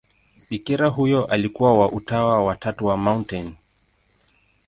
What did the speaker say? Bikira huyo wa Utawa wa Tatu wa Mt.